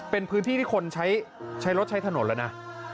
เป็นพื้นที่ที่คนใช้รถใช้ถนนแล้วนะ